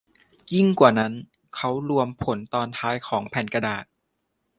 ยิ่งกว่านั้น เขารวมผลตอนท้ายของแผ่นกระดาษ